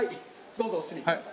どうぞお進みください。